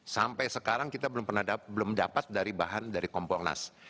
sampai sekarang kita belum dapat dari bahan dari kompolnas